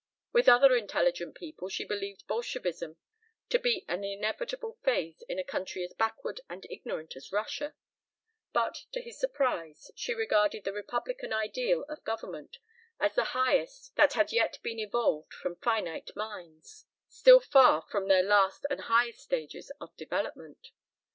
With other intelligent people she believed Bolshevism to be an inevitable phase in a country as backward and ignorant as Russia, but, to his surprise, she regarded the Republican ideal of government as the highest that had yet been evolved from finite minds, still far from their last and highest stages of development.